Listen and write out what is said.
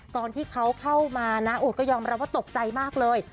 ตอนที่เขาเข้ามานะโอ้ก็ยอมรับว่าตกใจมากเลย